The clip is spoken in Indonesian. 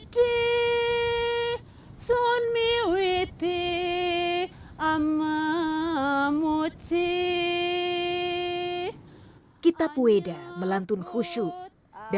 dan sekarang saya tryndall trusts